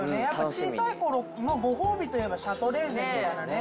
小さい頃のご褒美といえばシャトレーゼみたいなね。